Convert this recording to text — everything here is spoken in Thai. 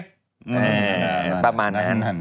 แน่น่าประมาณนั้น